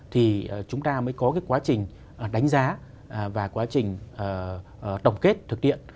thì chúng ta mới có cái quá trình đánh giá và quá trình tổng kết thực tiễn